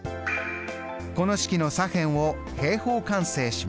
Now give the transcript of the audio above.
この式の左辺を平方完成します。